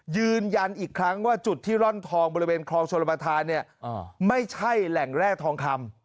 ยืนยันอีกครั้งว่าจุดที่ร่อนทองบริเวณคลองชนประธานเนี่ยไม่ใช่แหล่งแร่ทองคำ